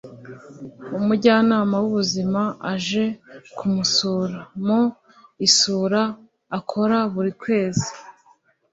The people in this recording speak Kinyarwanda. umujyanama w ‘ubuzima aje kumusura mu isura akora buri kwezi